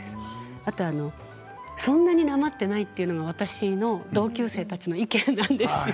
あとは、そんなになまっていないというのも私の同級生たちの意見なんですよ。